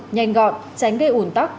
nhanh gọn tránh gây ủn tóc